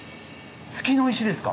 月の石ですか？